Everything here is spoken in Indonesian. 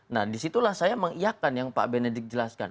nah disitulah saya mengiakan yang pak benedik jelaskan